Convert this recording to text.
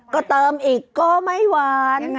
ก็เติมอีกก็ไม่หวาน